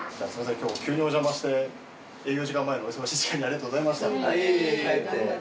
今日急におじゃまして営業時間前のお忙しい時間にありがとうございました。